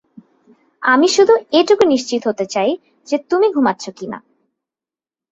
আমি শুধু এটুকু নিশ্চিত হতে চাই যে, তুমি ঘুমাচ্ছো কিনা।